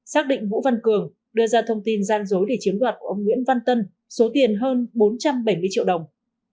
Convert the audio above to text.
thông tin gian dối để chiếm đoạt của ông nguyễn văn tân số tiền hơn bốn trăm bảy mươi triệu đồng